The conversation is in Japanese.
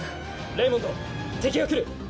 レイモンド敵が来る。